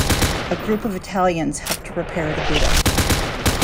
A group of Italians helped repair the Buddha.